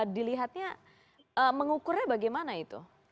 dilihatnya mengukurnya bagaimana itu